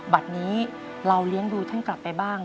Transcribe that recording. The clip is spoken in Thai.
บัตรนี้เราเลี้ยงดูท่านกลับไปบ้าง